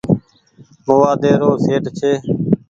موآدي رو سيٽ ڇي۔